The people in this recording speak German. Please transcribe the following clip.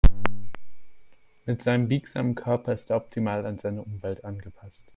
Mit seinem biegsamen Körper ist er optimal an seine Umwelt angepasst.